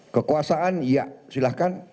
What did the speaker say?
kekuasaan ya silahkan